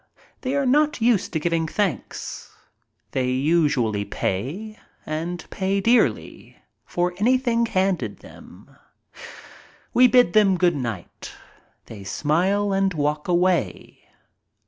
They are not used to giving thanks. They usually pay, and pay dearly, for anything handed them. We bid them "good night." They smile and walk away.